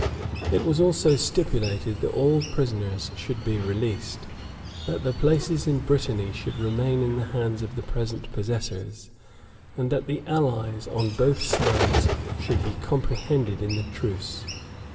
It was also stipulated, that all prisoners should be released, that the places in Brittany should remain in the hands of the present possessors, and that the allies on both sides should be comprehended in the truce.